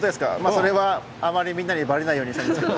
それはあまりみんなにばれないようにしてしたんですけど。